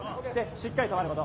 しっかり止まること。